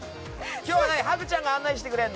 今日はハグちゃんが案内してくれるの？